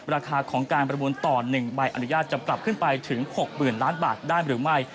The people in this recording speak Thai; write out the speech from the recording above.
ราคาของการประมูลต่อ๑ใบอนุญาตจะปรับขึ้นไปถึง๖๐๐๐ล้านบาทได้หรือไม่